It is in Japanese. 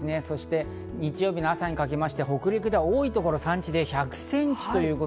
そして日曜日の朝にかけて、北陸では多いところでは山地で１００センチ。